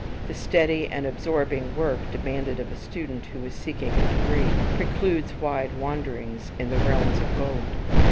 The steady and absorbing work demanded of a student who is seeking a degree, precludes wide wanderings "in the realms of gold."